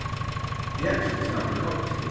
] The actual type adopted (Fig.